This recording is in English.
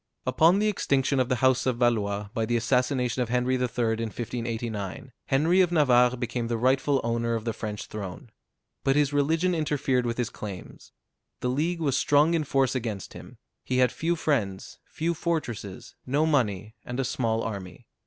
Upon the extinction of the house of Valois, by the assassination of Henry III. in 1589, Henry of Navarre became the rightful owner of the French throne. But his religion interfered with his claims. The League was strong in force against him: he had few friends, few fortresses, no money, and a small army.